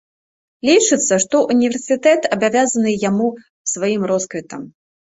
Лічыцца, што ўніверсітэт абавязаны яму сваім росквітам.